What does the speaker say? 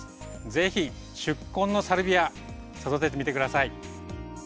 是非宿根のサルビア育ててみて下さい。